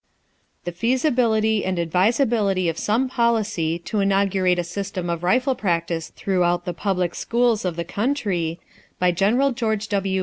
A REPORT ON THE FEASIBILITY AND ADVISABILITY OF SOME POLICY TO INAUGURATE A SYSTEM OF RIFLE PRACTICE THROUGHOUT THE PUBLIC SCHOOLS OF THE COUNTRY By Gen. GEORGE W.